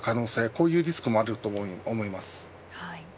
こういうリスクもあると思います。